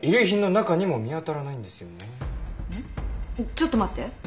ちょっと待って。